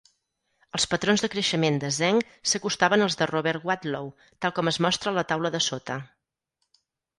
Els patrons de creixement de Zeng s'acostaven als de Robert Wadlow, tal com es mostra a la taula de sota.